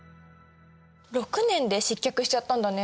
６年で失脚しちゃったんだね。